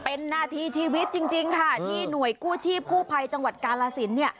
เป็นนาทีชีวิตจริงค่ะที่หน่วยกู้ชีพกู้ภัยจังหวัดกาลสิน